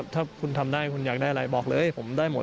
ถ้าคุณทำได้คุณอยากได้อะไรบอกเลยผมได้หมด